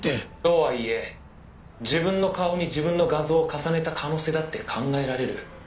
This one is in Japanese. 「とはいえ自分の顔に自分の画像を重ねた可能性だって考えられる」